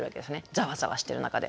ざわざわしてる中で。